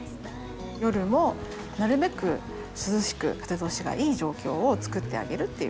夜もなるべく涼しく風通しがいい状況を作ってあげるっていうことですね。